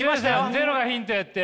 ゼロがヒントやって！